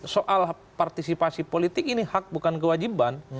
soal partisipasi politik ini hak bukan kewajiban